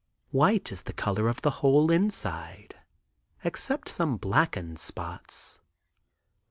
White is the color of the whole inside except some blackened spots.